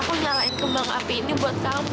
aku nyalain kembang api ini buat sahur